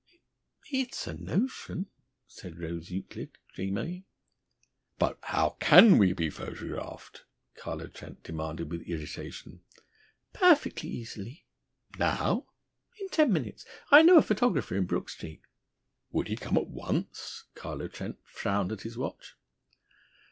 "It's a notion," said Rose Euclid dreamily. "But how can we be photographed?" Carlo Trent demanded with irritation. "Perfectly easy." "Now?" "In ten minutes. I know a photographer in Brook Street." "Would he come at once?" Carlo Trent frowned at his watch.